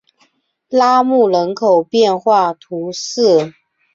拉穆人口变化图示